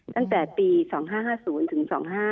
ตั้งแต่ปี๒๕๕๐ถึง๒๕๕